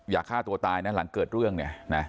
อย่าฆ่าตัวตายนะหลังเกิดเรื่องเนี่ยนะ